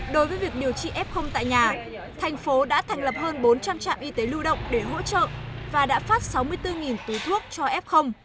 đối với việc điều trị f tại nhà thành phố đã thành lập hơn bốn trăm linh trạm y tế lưu động để hỗ trợ và đã phát sáu mươi bốn túi thuốc cho f